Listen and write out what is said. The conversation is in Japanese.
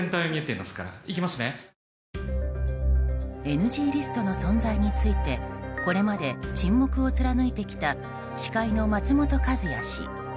ＮＧリストの存在についてこれまで沈黙を貫いてきた司会の松本和也氏。